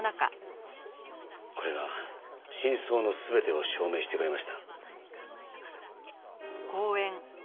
これが真相の全てを証明してくれました。